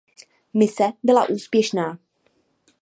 Mise byla úspěšná.